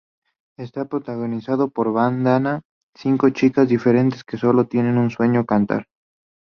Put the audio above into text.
Está protagonizada por Bandana, cinco chicas diferentes que sólo tienen un sueño, cantar.